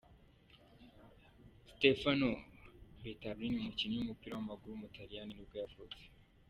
Stefano Bettarini, umukinnyi w’umupira w’amaguru w’umutaliyani nibwo yavutse.